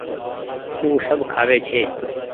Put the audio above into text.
او سب کآوي ڇي۔